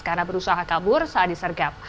karena berusaha kabur saat disergap